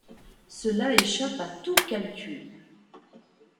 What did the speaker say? Cela échappe à tout calcul!